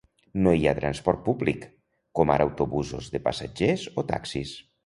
No hi ha transport públic, com ara autobusos de passatgers o taxis.